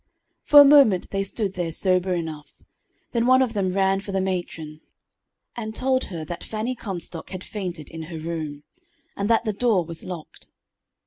For a moment they stood there sober enough; then one of them ran for the matron, and told her that Fanny Comstock had fainted in her room, and that the door was locked.